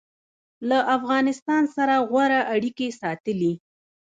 له افغانستان سره غوره اړیکې ساتلي